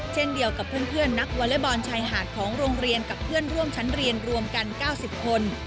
เช่นเดียวกับเพื่อนนักวอเล็กบอลชายหาดของโรงเรียนกับเพื่อนร่วมชั้นเรียนรวมกัน๙๐คน